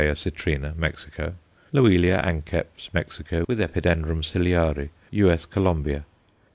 citrina_, Mexico; Loelia anceps, Mexico, with Epidendrum ciliare, U.S. Colombia.